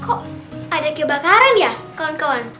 kok ada kebakaran ya kawan kawan